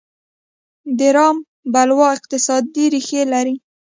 د رام بلوا اقتصادي ریښې لرلې.